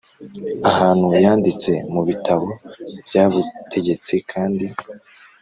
ahantu yanditse mu bitabo byubutegetsi kandi